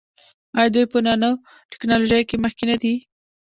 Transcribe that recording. آیا دوی په نانو ټیکنالوژۍ کې مخکې نه دي؟